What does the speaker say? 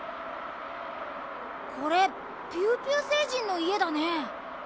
これピューピューせいじんのいえだね。